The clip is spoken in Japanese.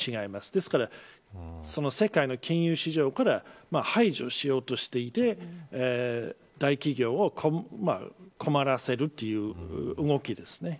ですから、世界の金融市場から排除しようとしていて大企業を困らせるという動きですね。